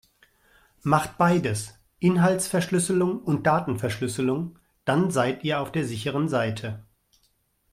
Macht beides, Inhaltsverschlüsselung und Datenverschlüsselung, dann seit ihr auf der sicheren Seite.